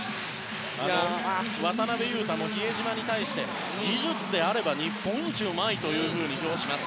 渡邊雄太も比江島に対して技術であれば日本一うまいと評します。